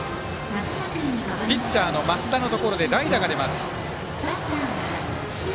ピッチャーの増田のところで代打が出ます。